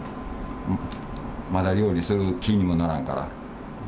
まだ料理する気にもならんから。